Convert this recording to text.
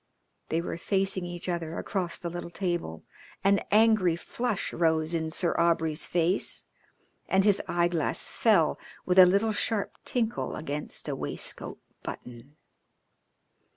They were facing each other across the little table. An angry flush rose in Sir Aubrey's face, and his eyeglass fell with a little sharp tinkle against a waistcoat button.